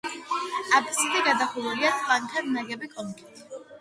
აბსიდი გადახურულია ტლანქად ნაგები კონქით.